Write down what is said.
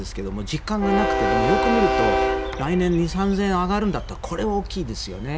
実感がなくてでも、よく見ると来年２０００３０００円上がるんだったらこれは大きいですよね。